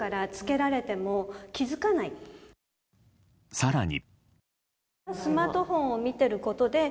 更に。